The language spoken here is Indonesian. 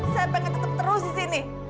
saya pengen tetep terus di sini